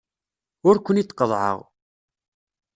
Ur ken-id-qeḍḍɛeɣ.